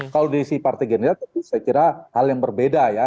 kalau dari sisi partai partai gerindra saya kira hal yang berbeda